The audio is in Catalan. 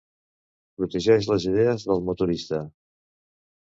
Protegeix les idees del motorista.